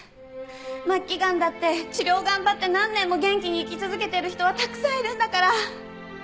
末期癌だって治療を頑張って何年も元気に生き続けてる人はたくさんいるんだから！